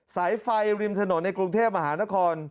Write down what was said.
สายไฟริมถนนในกรุงเทพมหานคร